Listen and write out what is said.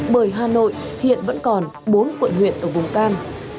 bởi hà nội hiện vẫn còn bốn quận huyện ở vùng cam